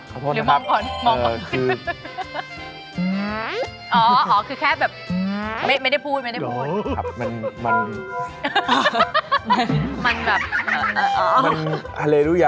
ขอโทษนะครับคือหลวงก่อนหลวงก่อนอ๋อคือแค่แบบไม่ได้พูดไม่ได้พูด